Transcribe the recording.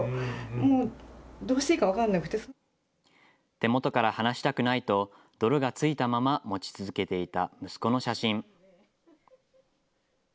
手元から離したくないと泥がついたまま持ち続けていた息子の写真。